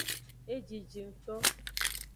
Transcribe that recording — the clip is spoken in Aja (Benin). Ejiji ngto.